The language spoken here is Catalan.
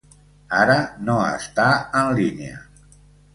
Ara no està en línia.